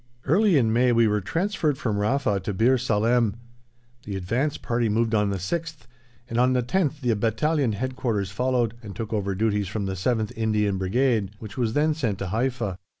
Early in May we were transferred from Rafa to Bir Salem. The advance party moved on the 6th, and on the 10th the Battalion Headquarters followed, and took over duties from the 7th Indian Infantry Brigade, which was then sent to Haifa.